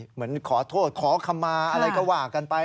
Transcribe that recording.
เหมือนขอโทษขอคำมาอะไรก็ว่ากันไป